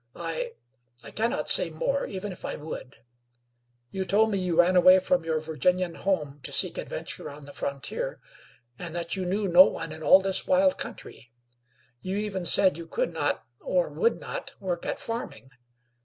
I I cannot say more, even if I would. You told me you ran away from your Virginian home to seek adventure on the frontier, and that you knew no one in all this wild country. You even said you could not, or would not, work at farming.